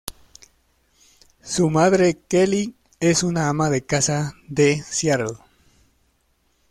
Su madre, Kelley, es una ama de casa de Seattle.